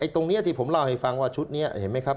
ตรงนี้ที่ผมเล่าให้ฟังว่าชุดนี้เห็นไหมครับ